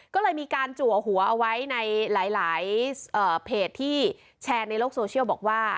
ก็เลยมีการจัวหัวเอาไว้ในหลายเพจที่แชร์ในโลกโซเชียลบอกว่า